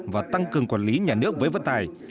và tăng cường quản lý nhà nước với vận tài